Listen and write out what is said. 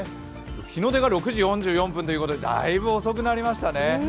日の出が６時４４分ということでだいぶ遅くなりましたね。